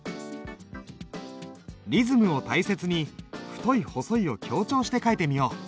リズムを大切に太い細いを強調して書いてみよう。